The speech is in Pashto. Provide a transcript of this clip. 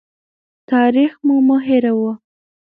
تاریخ مو مه هېروه.